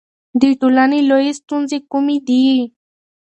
د ټولنې لویې ستونزې کومې دي؟